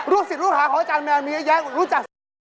ลูกศิษย์ลูกหาของอาจารย์แมวมีแยกรู้จัก